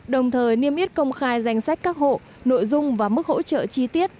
đồng thời niêm yết công khai danh sách các hộ nội dung và mức hỗ trợ chi tiết